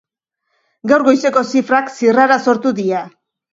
Gaur goizeko zifrak zirrara sortu die.